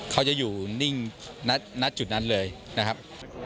เขาจะอยู่นิ่งณจุดนั้นเลยนะครับ